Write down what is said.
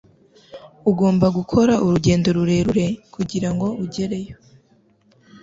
Ugomba gukora urugendo rurerure kugirango ugereyo.